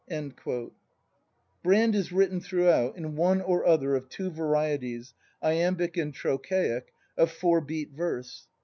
^ Brand is written throughout in one or other of two varieties — iambic and trochaic — of four beat verse.